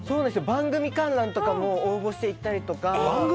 番組観覧とかも応募して行ったりとか。